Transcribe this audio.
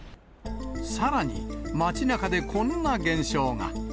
さらに、街なかでこんな現象が。